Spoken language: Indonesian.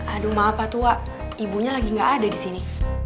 aduh maaf pak tua ibunya lagi gak ada disini